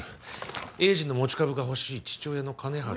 栄治の持ち株が欲しい父親の金治。